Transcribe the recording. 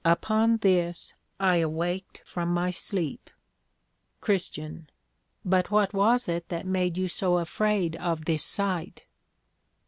Upon this I awaked from my sleep. CHR. But what was it that made you so afraid of this sight?